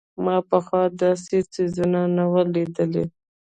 ما پخوا داسې څيزونه نه وو لېدلي.